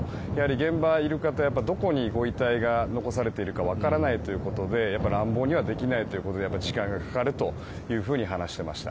現場にいる方、どこにご遺体が残されているかわからないということで乱暴にはできないということで時間がかかると話していました。